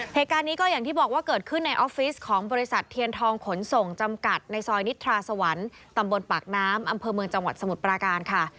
เหตุการณ์นี้ก็อย่างที่บอกว่าเกิดขึ้นในออฟฟิศของบริษัทเทียนทองขนส่งจำกัดในซอยนิทราสวรรค์ตำบลปากน้ำอำเภอเมืองจังหวัดสมุทรปราการค่ะ